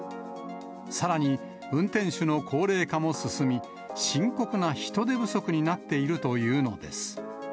さらに、運転手の高齢化も進み、深刻な人手不足になっているというのです。